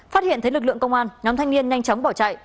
phát hiện thấy lực lượng công an nhóm thanh niên nhanh chóng bỏ chạy